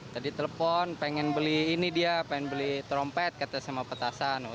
tadi telepon pengen beli ini dia pengen beli trompet kata sama petasan